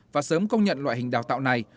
và sớm công nhận loại hình đào tạo này